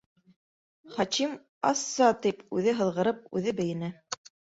Хачим «асса» тип, үҙе һыҙғырып, үҙе бейене.